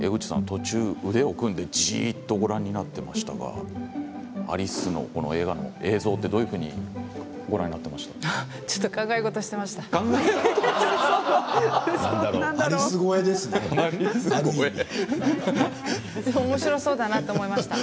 途中腕を組んでじーっとご覧になっていましたがアリスの映画の映像どういうふうにちょっと考え事していました。